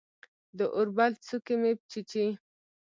د اوربل څوکې مې چیچي